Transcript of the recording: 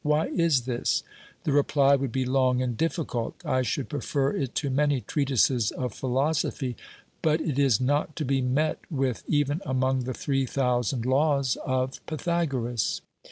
Why is this ? The reply would be long and difificult ; I should prefer it to many treatises of philosophy, but it is not to be met with even among the three thousand laws of Pythagoras.